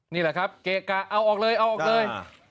นี่แหละครับเกะกะเอาออกเลยเอาออกเลย